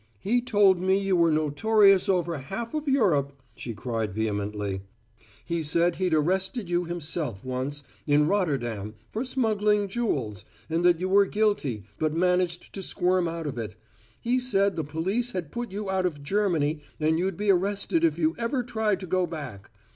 "He told me you were notorious over half of Europe," she cried vehemently. "He said he'd arrested you himself, once, in Rotterdam, for smuggling jewels, and that you were guilty, but managed to squirm out of it. He said the police had put you out of Germany and you'd be arrested if you ever tried to go back.